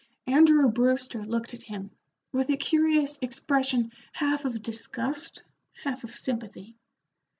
Andrew Brewster looked at him, with a curious expression half of disgust, half of sympathy.